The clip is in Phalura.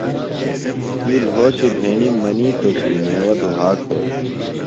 تی لھوکیۡ بھݨِیم مِنیتوۡ کی میوہ دُھا کھوئی۔